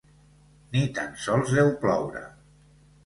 Ni tan sols deu ploure.